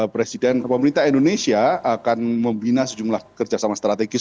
presiden pemerintah indonesia akan membina sejumlah kerjasama strategis